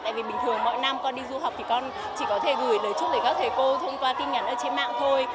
tại vì bình thường mỗi năm con đi du học thì con chỉ có thể gửi lời chúc để các thầy cô thông qua tin nhắn ở trên mạng thôi